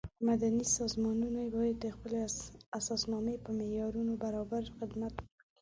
مدني سازمانونه باید د خپلې اساسنامې په معیارونو برابر خدمت وکړي.